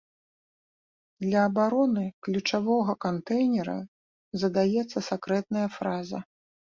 Для абароны ключавога кантэйнера задаецца сакрэтная фраза.